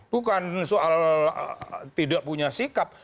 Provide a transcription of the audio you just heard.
bukan soal tidak punya sikap